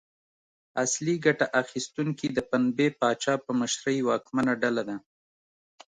اصلي ګټه اخیستونکي د پنبې پاچا په مشرۍ واکمنه ډله ده.